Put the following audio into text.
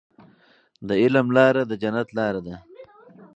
د علم لاره د جنت لاره ده.